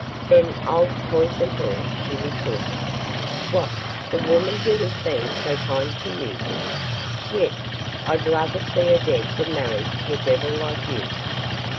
Then I'll poison her,' she retorted. 'What, the woman who has been so kind to you?' 'Yes, I'd rather see her dead than married to a devil like you.